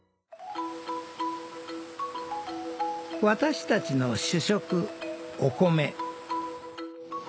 私たちの主食お米。